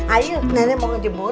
ayo nenek mau ngejemur